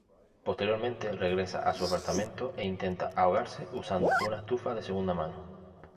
Posteriormente, regresa a su apartamento e intenta ahogarse usando una estufa de segunda mano.